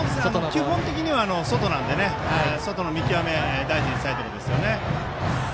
基本的には外なので外の見極めを大事にしたいです。